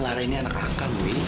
lara ini anak akang wi